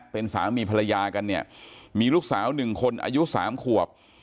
เป็นสามีภรรยากันเนี่ยมีลูกสาวหนึ่งคนอายุ๓ขวบ